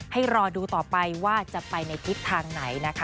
ให้รอดูต่อไปว่าจะไปในทิศทางไหนนะคะ